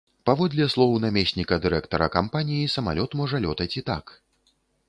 Паводле слоў намесніка дырэктара кампаніі, самалёт можа лётаць і так.